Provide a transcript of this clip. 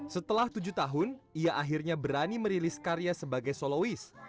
setelah tujuh tahun ia akhirnya berani merilis karya sebagai soloist